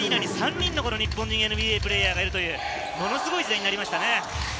今、アリーナにＮＢＡプレーヤーが３人いるという、ものすごい時代になりましたね。